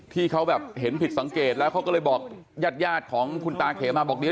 ที่เขาแบบเห็นผิดสังเกตแล้วเขาก็เลยบอกยาดของคุณตาเขมา